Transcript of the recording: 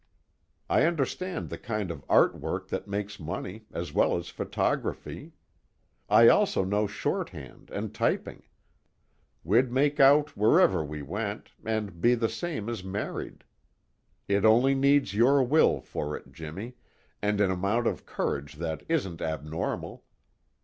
I understand the kind of art work that makes money, as well as photography. I also know shorthand and typing. We'd make out wherever we went, and be the same as married. It only needs your will for it, Jimmy, and an amount of courage that isn't abnormal.